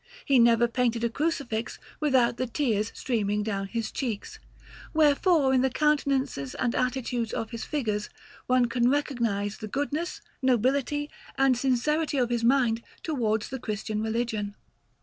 He never painted a Crucifix without the tears streaming down his cheeks; wherefore in the countenances and attitudes of his figures one can recognize the goodness, nobility, and sincerity of his mind towards the Christian religion.